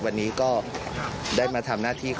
ที่เราทำพิธีอ่ะ